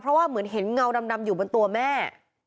เพราะว่าเหมือนเห็นเงาดำอยู่บนตัวแม่